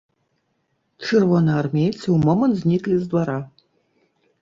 Чырвонаармейцы ў момант зніклі з двара.